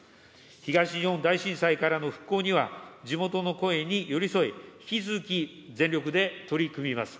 東日本大震災からの復興には、地元の声に寄り添い、引き続き全力で取り組みます。